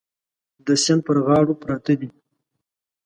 د سیند پر غاړو پراته دي.